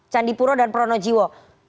candipuro dan purwonojiwa